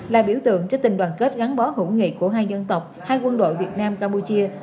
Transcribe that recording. là biểu tượng cho tình đoàn kết gắn bó hữu nghị của hai dân tộc hai quân đội việt nam campuchia